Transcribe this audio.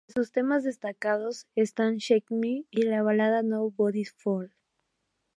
Entre sus temas destacados están "Shake Me" y la balada "Nobody's Fool".